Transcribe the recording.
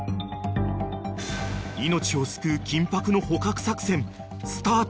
［命を救う緊迫の捕獲作戦スタート］